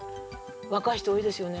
若い人多いですよね。